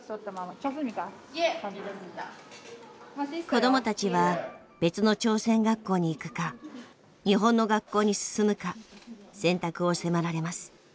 子どもたちは別の朝鮮学校に行くか日本の学校に進むか選択を迫られます。